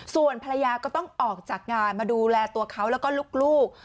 ส่วนภรรยาก็ต้องออกจากงานมาดูแลตัวเขาแล้วก็ลูก